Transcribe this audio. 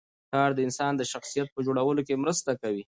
کار د انسان د شخصیت په جوړولو کې مرسته کوي